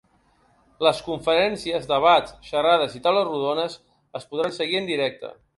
Les conferències, debats, xerrades i taules rodones es podran seguir en directe.